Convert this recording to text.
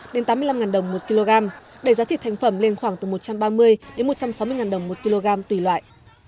đến tám mươi năm đồng một kg đẩy giá thịt thành phẩm lên khoảng từ một trăm ba mươi đến một trăm sáu mươi đồng một kg tùy loại